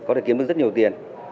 có thể kiếm được rất nhiều tiền